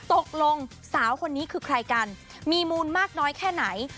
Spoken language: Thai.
ตกลงสาวคนนี้คือใครกันมีมูลมากน้อยแค่ไหน